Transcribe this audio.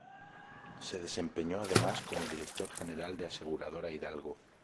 Se desempeñó además como director general de Aseguradora Hidalgo.